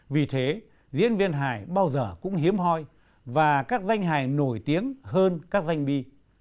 vì thế diễn viên hải bao giờ cũng hiếm hoi và các danh hài nổi tiếng hơn các danh bi